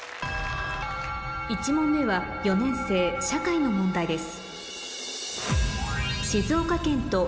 １問目は４年生社会の問題です